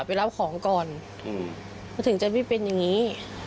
ไปรับของก่อนมันถึงจะไม่เป็นอย่างนี้